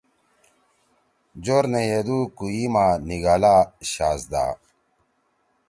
جور نے یدُو کویی ما نیگھلا شاھزدا